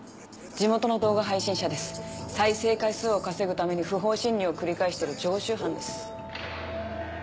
地元の動画配信者です再生回数を稼ぐために不法侵入を繰り返してる常習犯です。